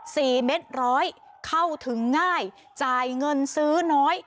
เม็ดร้อยเข้าถึงง่ายจ่ายเงินซื้อน้อย